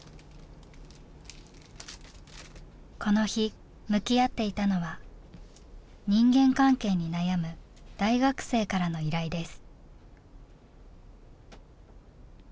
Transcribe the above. この日向き合っていたのは人間関係に悩む大学生からの依頼です。